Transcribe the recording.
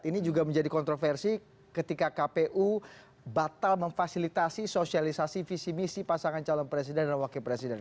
ini juga menjadi kontroversi ketika kpu batal memfasilitasi sosialisasi visi misi pasangan calon presiden dan wakil presiden